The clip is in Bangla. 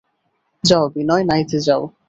যাও বিনয়, নাইতে যাও।